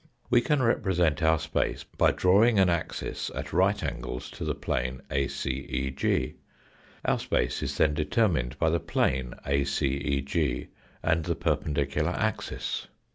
We can represent our space by drawing an axis at right angles to the plane ACEG, our space is then determined by the plane ACEG, and the per pendicular axis.